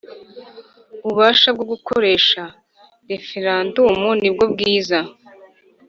Ububasha bwo gukoresha referandumu nibwo bwiza